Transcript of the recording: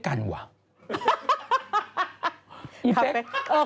การเปลี่ยน